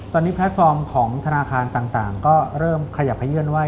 ตอนนี้แพลตฟอร์มของธนาคารต่างก็เริ่มขยับขยื่นว่า